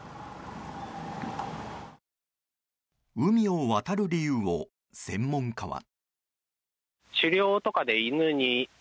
海を渡る理由を専門家は。